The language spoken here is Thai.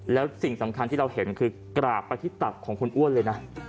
แล้วสิ่งสำคัญที่เราเห็นคือกราบไปที่ตับของคุณอ้วนเลยนะ